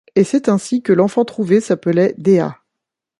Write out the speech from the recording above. Et c’est ainsi que l’enfant trouvée s’appelait Dea.